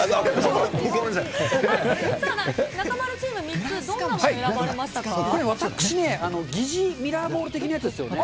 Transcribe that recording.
中丸チーム、３つ、どんなもこれ、私ね、疑似ミラーボール的なものですよね。